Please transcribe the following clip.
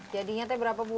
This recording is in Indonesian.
jadinya teh berapa bu